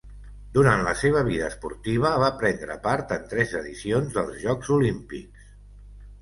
Durant la seva vida esportiva va prendre part en tres edicions dels Jocs Olímpics.